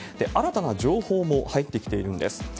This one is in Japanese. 新たな情報も入ってきているんです。